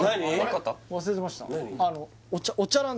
お茶！？